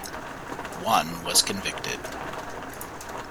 One was convicted.